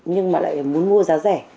nhưng mà lại muốn mua giá rẻ